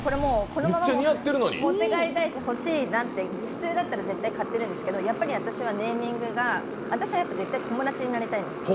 このまま持って帰りたいし欲しいなって普通だったら絶対買ってるんですけど、やっぱり私はネーミングが、私は絶対友達になりたいんですよ。